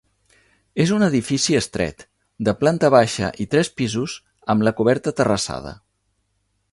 És un edifici estret, de planta baixa i tres pisos amb la coberta terrassada.